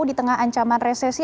di tengah ancaman resesi